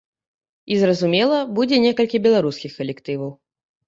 І, зразумела, будзе некалькі беларускіх калектываў.